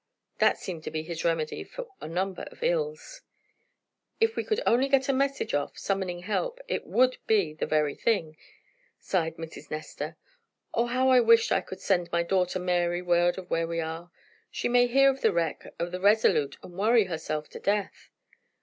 That seemed to be his remedy for a number of ills. "If we only could get a message off, summoning help, it WOULD be the very thing," sighed Mrs. Nestor. "Oh, how I wish I could send my daughter, Mary, word of where we are. She may hear of the wreck of the RESOLUTE, and worry herself to death."